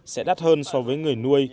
sẽ đắt hơn so với người nuôi